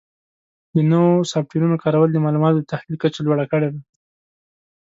د نوو سافټویرونو کارول د معلوماتو د تحلیل کچه لوړه کړې ده.